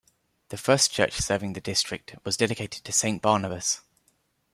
The first church serving the district was dedicated to Saint Barnabas.